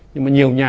nhưng mà nhiều nhà